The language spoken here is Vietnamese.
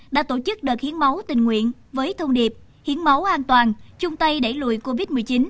đã tổ chức đợt hiến máu tình nguyện với thông điệp hiến máu an toàn chung tay đẩy lùi covid một mươi chín